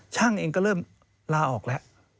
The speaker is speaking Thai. ช่างเองก็เริ่มลาออกแล้ว